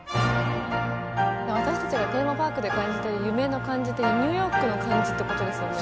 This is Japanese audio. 私たちがテーマパークで感じてる夢の感じってニューヨークの感じってことですよね。